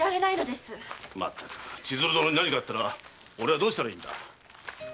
まったく千鶴殿に何かあったら俺はどうしたらいいんだ？